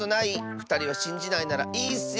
ふたりはしんじないならいいッスよ。